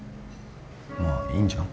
まあいいんじゃん？